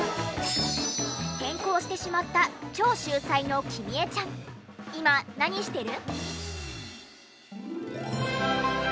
転校してしまった超秀才の紀美江ちゃん今何してる？